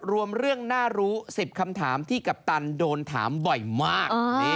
รวมเรื่องน่ารู้๑๐คำถามที่กัปตันโดนถามบ่อยมาก